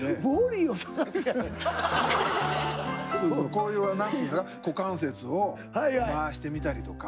こういう何ていう股関節を回してみたりとか。